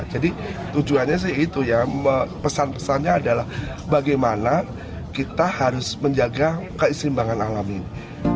jadi tujuannya sih itu ya pesan pesannya adalah bagaimana kita harus menjaga keseimbangan alam ini